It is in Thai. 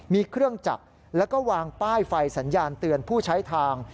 มีเครื่องจักรแล้วก็วางป้ายไฟสัญญาณเตือนผู้ใช้ทาง